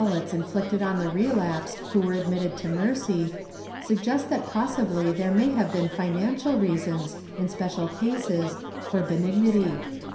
IV] RELAPSE 207 mulcts inflicted on the relapsed who were admitted to mercy, suggest that possibly there may have been financial reasons, in special cases, for benignity.